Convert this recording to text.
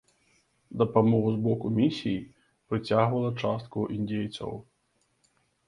Дапамога з боку місій прыцягвала частку індзейцаў.